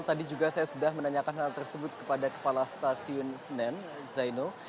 tadi juga saya sudah menanyakan hal tersebut kepada kepala stasiun senen zainul